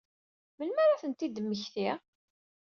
Melmi ara ad ten-id-temmekti?